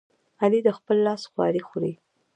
علي د خپل لاس خواري خوري.